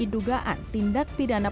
itu harus selamat